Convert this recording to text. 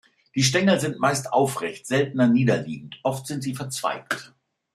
Die Stängel sind meist aufrecht, seltener niederliegend, oft sind sie verzweigt.